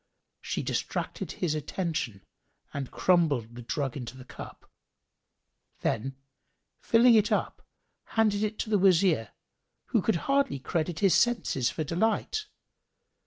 She distracted his attention and crumbled the drug into the cup: then, filling it up, handed it to the Wazir, who could hardly credit his senses for delight.